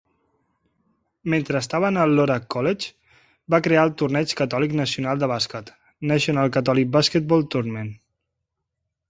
Mentre estava en el Loras College, va crear el Torneig Catòlic Nacional de Bàsquet (National Catholic Basketball Tournament).